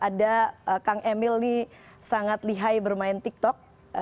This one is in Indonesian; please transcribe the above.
ada kang emil ini sangat lihai bermain tiktok